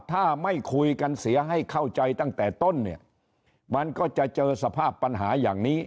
ถ้าไม่คุยกันเสียให้เข้าใจตั้งแต่ต้นเนี่ยมันก็จะเจอสภาพปัญหาอย่างนี้